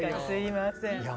すいません。